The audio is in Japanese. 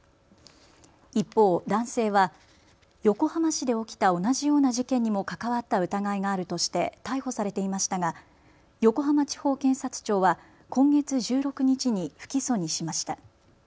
一方、男性は横浜市で起きた同じような事件にも関わった疑いがあるとして逮捕されていましたが横浜地方検察庁は今月１６日に不起訴にしました。